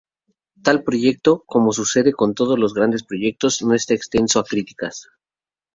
Tal proyecto, como sucede con todos los grandes proyectos, no está exento de críticas.